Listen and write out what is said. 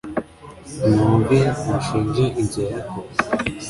Nimwumve mushinje inzu ya Yakobo